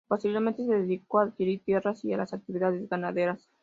Posteriormente se dedicó a adquirir tierras y a las actividades ganaderas.